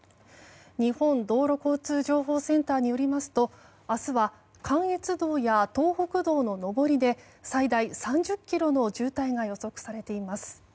日本道路交通情報センターによりますと明日は関越道や東北道の上りで最大３０ｋｍの渋滞が予測されています。